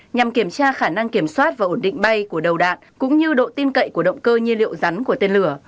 nhằm kiểm tra khả năng kiểm soát và ổn định bay của đầu đạn cũng như độ tin cậy của động cơ nhiên liệu rắn của tên lửa